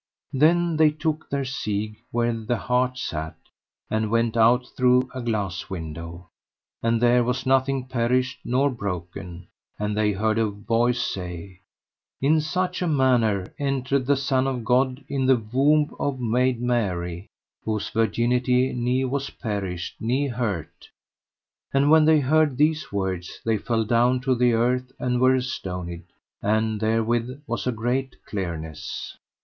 Then took they their siege where the hart sat, and went out through a glass window, and there was nothing perished nor broken; and they heard a voice say: In such a manner entered the Son of God in the womb of a maid Mary, whose virginity ne was perished ne hurt. And when they heard these words they fell down to the earth and were astonied; and therewith was a great clearness.